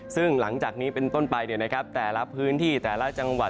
ซึ่งหลังจากนี้เป็นต้นไปแต่ละพื้นที่แต่ละจังหวัด